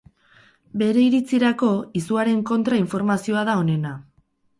Bere iritzirako, izuaren kontra informazioa da onena.